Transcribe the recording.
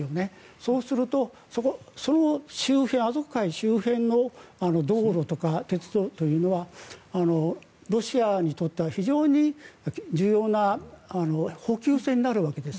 そうすると、その周辺アゾフ海周辺の道路とか鉄道というのはロシアにとっては非常に重要な補給線になるわけです。